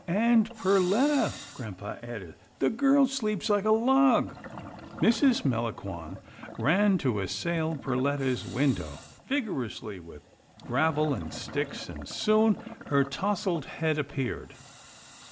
" And Perletta," grampa added, " the girl sleeps like a log." Mrs. Melangon ran to assail Perletta's window vigorously with gravel and sticks, and soon her touzled head appeared.